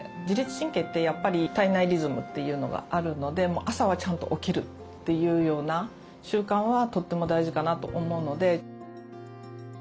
自律神経ってやっぱり体内リズムというのがあるので朝はちゃんと起きるというような習慣はとっても大事かなと思うので。